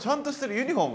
ユニフォーム